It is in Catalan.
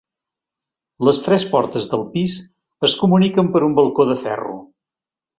Les tres portes del pis es comuniquen per un balcó de ferro.